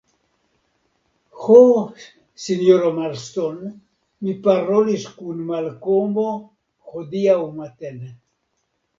Ho, sinjoro Marston, mi parolis kun Malkomo hodiaŭ matene.